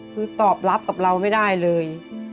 คือตอบรับกับเราไม่ได้เลย